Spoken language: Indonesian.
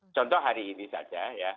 contoh hari ini saja